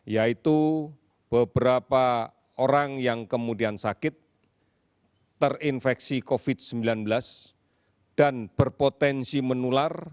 yaitu beberapa orang yang kemudian sakit terinfeksi covid sembilan belas dan berpotensi menular